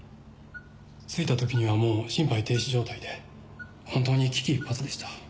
着いた時にはもう心肺停止状態で本当に危機一髪でした。